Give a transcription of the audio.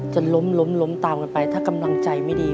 จะล้มล้มตามกันไปถ้ากำลังใจไม่ดี